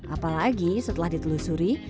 apalagi setelah ditelusuri